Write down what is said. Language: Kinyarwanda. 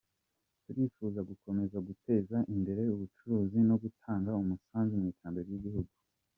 Turifuza gukomeza guteza imbere ubucuruzi no gutanga umusanzu mu iterambere ry’igihugu.